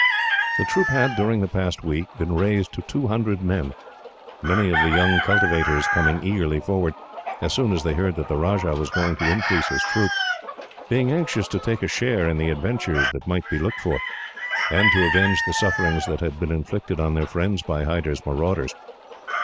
The troop had, during the past week, been raised to two hundred men, many of the young cultivators coming eagerly forward, as soon as they heard that the Rajah was going to increase his troop, being anxious to take a share in the adventures that might be looked for, and to avenge the sufferings that had been inflicted on their friends by Hyder's marauders.